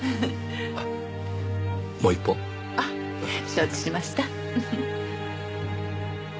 あっもう一本。あっ承知しました。